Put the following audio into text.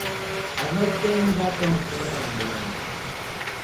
Adopte un gato o un perro abandonados